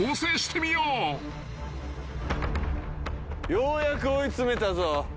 ようやく追い詰めたぞ。